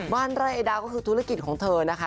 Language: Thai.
บ้านไร่ไอดาวก็คือธุรกิจของเธอนะคะ